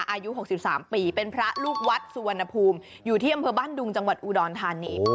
อายุ๖๓ปีเป็นพระลูกวัดสุวรรณภูมิอยู่ที่อำเภอบ้านดุงจังหวัดอุดรธานี